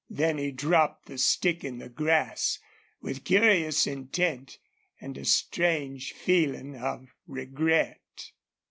Then he dropped the stick in the grass, with curious intent and a strange feeling of regret.